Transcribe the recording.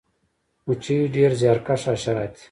مچۍ ډیر زیارکښه حشرات دي